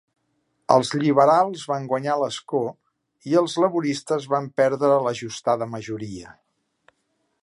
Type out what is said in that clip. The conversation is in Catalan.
Els lliberals van guanyar l'escó i els laboristes van perdre l'ajustada majoria.